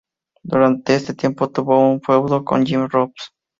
Durante este tiempo, tuvo un feudo con Jim Ross.